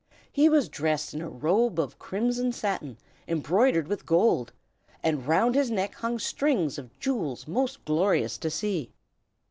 He was dressed in a robe of crimson satin embroidered with gold, and round his neck hung strings of jewels most glorious to see.